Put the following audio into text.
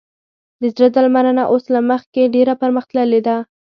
د زړه درملنه اوس له مخکې ډېره پرمختللې ده.